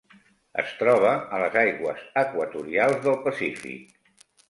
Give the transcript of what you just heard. Es troba a les aigües equatorials del Pacífic.